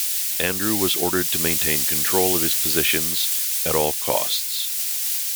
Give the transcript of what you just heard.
Andrew was ordered to maintain control of his positions "at all costs".